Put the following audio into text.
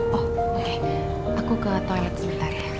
oh oke aku ke toilet sebentar ya